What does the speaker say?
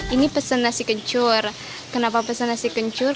ini pesen nasi kencur kenapa pesen nasi kencur